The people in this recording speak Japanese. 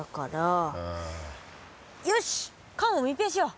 よし缶を密閉しよう。